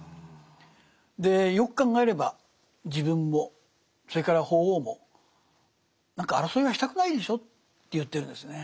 でよく考えれば自分もそれから法皇も何か争いはしたくないでしょうと言ってるんですね。